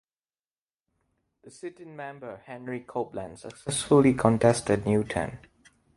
The sitting member Henry Copeland successfully contested Newtown.